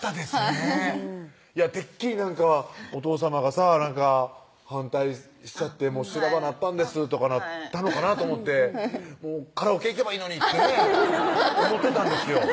はいてっきりなんかお父さまがさ反対しちゃって「修羅場なったんです」とかなったのかなと思ってカラオケ行けばいいのにってね思ってたんですよ